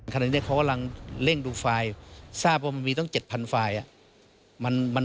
ขณะนี้เขากำลังเร่งดูไฟล์ทราบว่ามันมีตั้ง๗๐๐ไฟล์